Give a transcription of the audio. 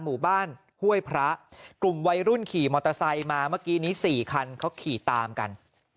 หมู่บ้านห้วยพระกลุ่มวัยรุ่นขี่มอเตอร์ไซค์มาเมื่อกี้นี้สี่คันเขาขี่ตามกัน